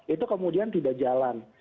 itu kemudian tidak jalan